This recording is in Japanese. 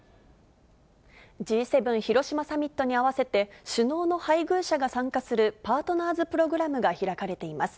Ｇ７広島サミットに合わせて、首脳の配偶者が参加する、パートナーズ・プログラムが開かれています。